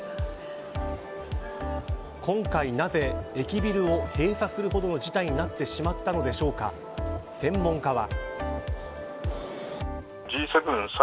今回なぜ駅ビルを閉鎖するほどの事態になってしまったのでしょうか専門家は。